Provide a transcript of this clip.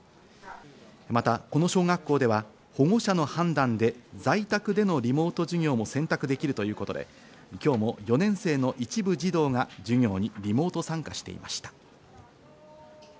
また、この小学校では保護者の判断で在宅でのリモート授業も選択できるということで今日も４年生の一部児童が授業にリモート参加していました。